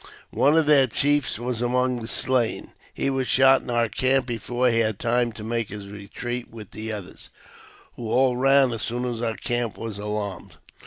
One of their chiefs was among the slain. He was shot in our camp before he had time to make his retreat with the others, who all ran as soon as our camp was alarmed.